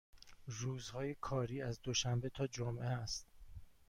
روزهای کاری از دوشنبه تا جمعه است.